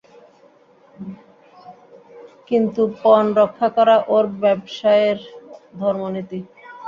কিন্তু পণ রক্ষা করা ওর ব্যাবসায়ের ধর্মনীতি।